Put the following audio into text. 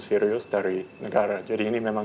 serius dari negara jadi ini memang